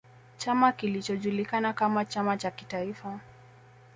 Chama kilichojulikana kama chama cha kitaifa